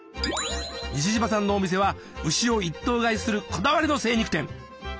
西島さんのお店は牛を一頭買いするこだわりの精肉店！